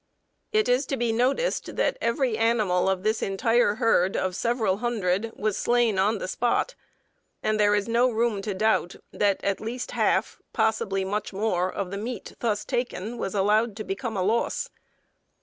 It is to be noticed that every animal of this entire herd of several hundred was slain on the spot, and there is no room to doubt that at least half (possibly much more) of the meat thus taken was allowed to become a loss.